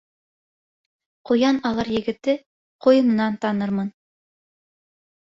Ҡуян алыр егетте ҡуйынынан танырмын.